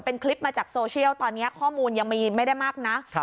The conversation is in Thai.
เป็นคลิปมาจากโซเชียลตอนนี้ข้อมูลยังมีไม่ได้มากนัก